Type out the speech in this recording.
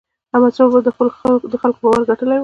احمدشاه بابا د خلکو باور ګټلی و.